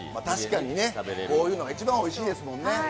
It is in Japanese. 確かにこういうのは一番おいしいですもんね。